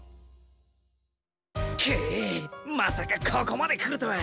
くっまさかここまでくるとは。